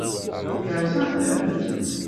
Yeṛṛeẓ-atent?